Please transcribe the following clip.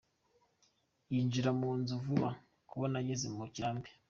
Yinjira mu nzu vuba, babona ageze mu kirambi.